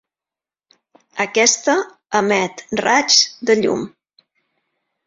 Aquesta emet raigs de llum.